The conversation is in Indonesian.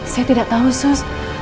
saya tidak tahu sus